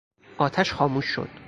آتش خاموش شد.